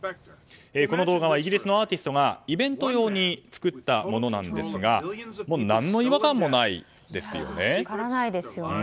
この動画はイギリスのアーティストがイベント用に作ったものなんですが分からないですよね。